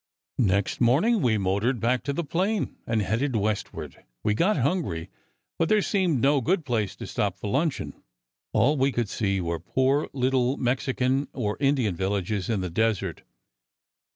"Next morning, we motored back to the plane and headed Westward. We got hungry, but there seemed no good place to stop for luncheon. All we could see were poor little Mexican or Indian villages, in the desert.